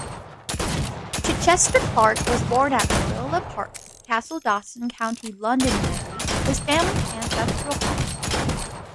Chichester-Clark was born at Moyola Park, Castledawson, County Londonderry, his family's ancestral home.